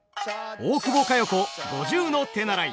大久保佳代子五十の手習い。